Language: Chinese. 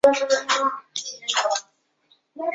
顺治十六年任杭嘉湖道。